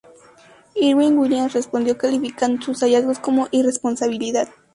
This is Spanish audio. Irwing-Williams respondió calificando sus hallazgos como una "irresponsabilidad".